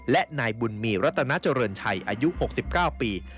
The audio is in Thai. และนายบุญมีรัตนาเจริญชัยอายุ๖๙ปี